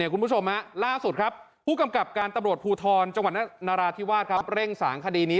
คุณผู้ชมล่าสุดครับผู้กำกับการตำรวจภูทรจังหวัดนราธิวาสครับเร่งสางคดีนี้